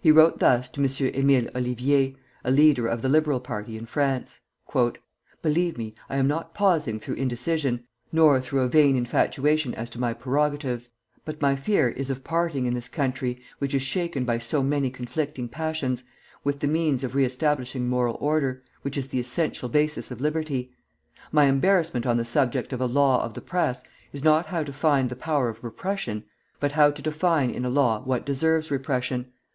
He wrote thus to M. Émile Ollivier, a leader of the liberal party in France: [Footnote 1: Pierre di Lana.] "Believe me, I am not pausing through indecision, nor through a vain infatuation as to my prerogatives; but my fear is of parting in this country, which is shaken by so many conflicting passions, with the means of re establishing moral order, which is the essential basis of liberty. My embarrassment on the subject of a law of the Press is not how to find the power of repression, but how to define in a law what deserves repression.